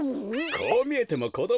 こうみえてもこどものころ